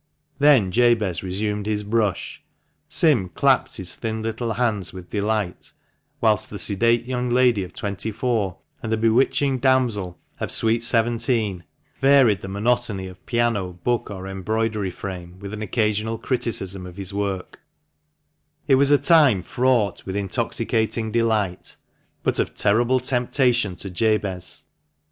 Then Jabez resumed his brush, Sim clapped his thin little hands with delight, whilst the sedate young lady of twenty four, and the bewitching damsel of sweet seventeen, varied the monotony of piano, book, or embroidery frame, with an occa sional criticism of his work, 336 THE MANCHESTER MAN. It was a time fraught with intoxicating delight, but ol terrible temptation to Jabez.